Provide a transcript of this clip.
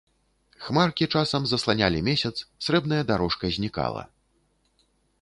Хмаркі часам засланялі месяц, срэбная дарожка знікала.